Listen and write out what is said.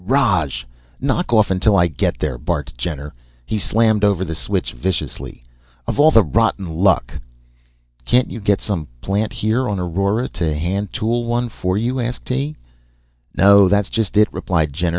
"Roj! Knock off until I get there," barked Jenner. He slammed over the switch, viciously. "Of all the rotten luck!" "Can't you get some plant here on Aurora to hand tool one for you?" asked Tee. "No, that's just it," replied Jenner.